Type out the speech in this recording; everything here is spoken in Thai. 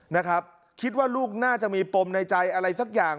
นะครับคิดว่าลูกน่าจะมีปมในใจอะไรสักอย่าง